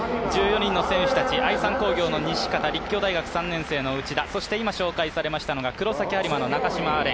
１４人の選手たち、愛三工業の西方立教大学３年生の内田今紹介されましたのが中島阿廉